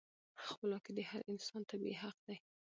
خپلواکي د هر انسان طبیعي حق دی.